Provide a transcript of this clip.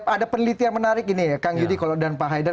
ada penelitian menarik ini kang yudi dan pak haidar